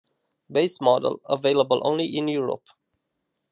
Base model, available only in Europe.